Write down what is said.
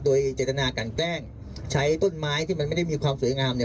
โดยเจตนากันแกล้งใช้ต้นไม้ที่มันไม่ได้มีความสวยงามเนี่ย